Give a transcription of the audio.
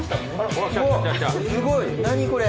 うわすごい何これ。